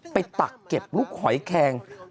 ตักเก็บลูกหอยแคง